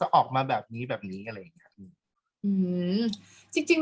กากตัวทำอะไรบ้างอยู่ตรงนี้คนเดียว